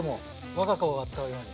我が子を扱うように。